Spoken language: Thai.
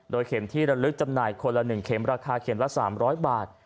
เข็มที่ระลึกจำหน่ายคนละ๑เข็มราคาเข็มละ๓๐๐บาท